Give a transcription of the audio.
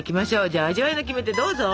じゃあ味わいのキメテどうぞ！